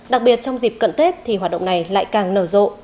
đặc biệt trong dịp cận tết thì hoạt động này lại càng nở rộ